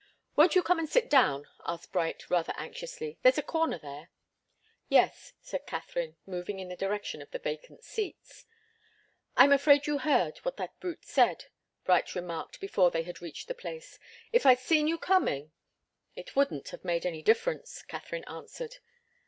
"Won't you come and sit down?" asked Bright, rather anxiously. "There's a corner there." "Yes," said Katharine, moving in the direction of the vacant seats. "I'm afraid you heard what that brute said," Bright remarked before they had reached the place. "If I'd seen you coming " "It wouldn't have made any difference," Katharine answered.